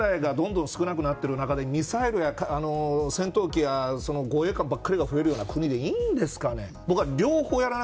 元気な現役世代がどんどん少なくなっていく中でミサイルや戦闘機や護衛艦ばかりが増えるような国でいいんですかね。